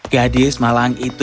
gadis malang itu